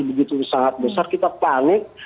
begitu sangat besar kita panik